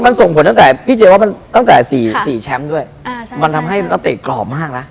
มันส่งผลตั้งแต่๔แชมป์ด้วยมันทำให้ตั้งแต่เตะกรอบมาก